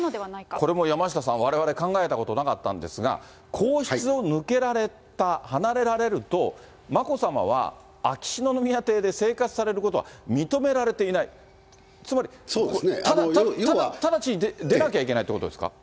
これも山下さん、われわれ、考えたことなかったんですが、皇室を抜けられた、離れられると、眞子さまは、秋篠宮邸で生活されることは認められていない、つまり、直ちに出なきゃいけないということですか？